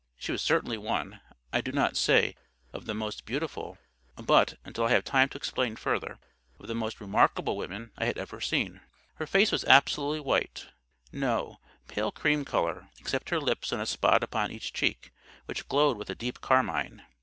She was certainly one—I do not say of the most beautiful, but, until I have time to explain further—of the most remarkable women I had ever seen. Her face was absolutely white—no, pale cream colour—except her lips and a spot upon each cheek, which glowed with a deep carmine.